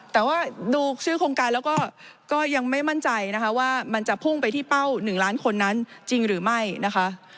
แต่ว่าดูชื่อโครงการแล้วก็ยังไม่มั่นใจนะคะว่ามันจะพุ่งไปที่เป้า๑ล้านคนนั้นจริงหรือไม่นะคะ